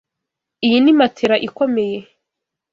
Iyi ni matelas ikomeye.